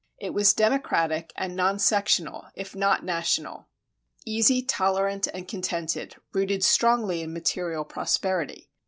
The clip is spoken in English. It was democratic and nonsectional, if not national; "easy, tolerant, and contented;" rooted strongly in material prosperity.